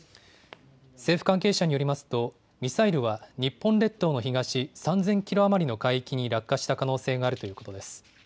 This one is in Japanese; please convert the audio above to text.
政府関係者によりますと、ミサイルは日本列島の東３０００キロ余りの海域に落下した可能性があるということです。